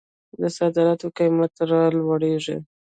د صادراتو قیمت رالویږي.